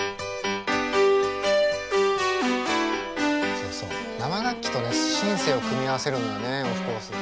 そうそう生楽器とねシンセを組み合わせるのよねオフコース。